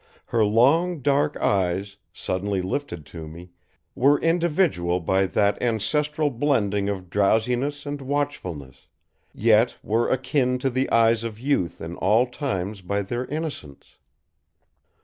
Her long dark eyes, suddenly lifted to me, were individual by that ancestral blending of drowsiness with watchfulness; yet were akin to the eyes of youth in all times by their innocence.